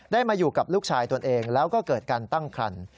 มาอยู่กับลูกชายตนเองแล้วก็เกิดการตั้งคัน